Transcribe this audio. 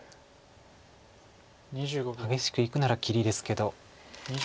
激しくいくなら切りですけど。